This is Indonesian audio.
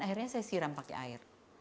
akhirnya saya siram pakai air